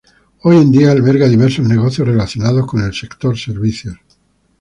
Hoy en día alberga diversos negocios relacionados con el sector servicios.